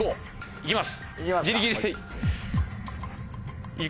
いきます！